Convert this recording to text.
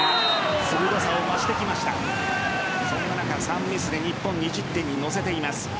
サーブミスで日本、２０点に乗せています。